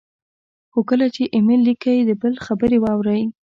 خو کله چې ایمیل لیکئ، د بل خبرې اورئ،